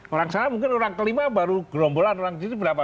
orang sana mungkin orang kelima baru gerombolan orang di situ berapa